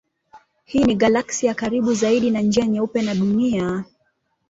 Hii ni galaksi ya karibu zaidi na Njia Nyeupe na Dunia.